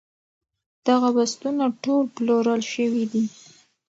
دغه بستونه ټول پلورل شوي دي.